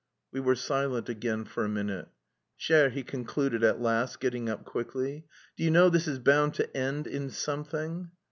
We were silent again for a minute. "Cher," he concluded at last, getting up quickly, "do you know this is bound to end in something?"